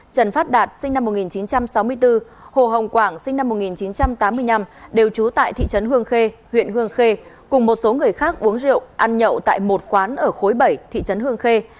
trần phát đạt sinh năm một nghìn chín trăm sáu mươi bốn hồ hồng quảng sinh năm một nghìn chín trăm tám mươi năm đều trú tại thị trấn hương khê huyện hương khê cùng một số người khác uống rượu ăn nhậu tại một quán ở khối bảy thị trấn hương khê